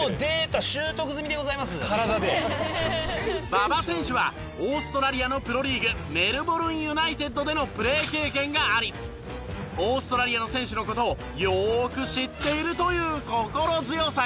馬場選手はオーストラリアのプロリーグメルボルン・ユナイテッドでのプレー経験がありオーストラリアの選手の事をよーく知っているという心強さが。